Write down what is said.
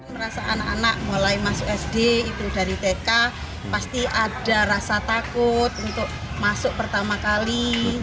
merasa anak anak mulai masuk sd itu dari tk pasti ada rasa takut untuk masuk pertama kali